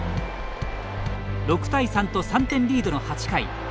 ６対３と、３点リードの８回。